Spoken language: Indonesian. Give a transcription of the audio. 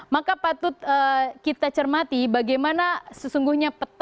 maka patut kita cermati bagaimana sesungguhnya peta